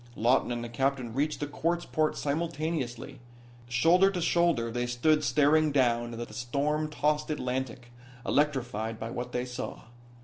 Lawton and the captain reached the quartz port simultaneously. Shoulder to shoulder they stood staring down at the storm tossed Atlantic, electrified by what they saw.